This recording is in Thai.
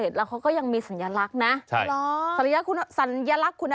ที่สำคัญ